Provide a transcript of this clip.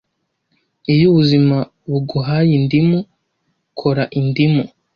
Iyo ubuzima buguhaye indimu, kora indimu.